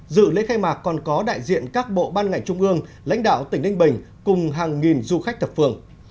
dự lễ khai mạc còn có đại diện các bộ ban ngành trung ương lãnh đạo tỉnh ninh bình cùng hàng nghìn du khách thập phương